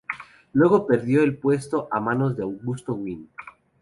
Luego perdió el puesto a manos de Augusto Winn.